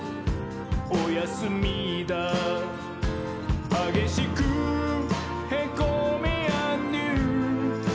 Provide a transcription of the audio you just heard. おやすみだー」「はげしくへこみーあんどゆー」